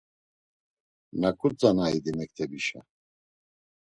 Naǩu tzana idi mektebişa?